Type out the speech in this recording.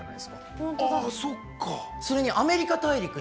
あっそっか。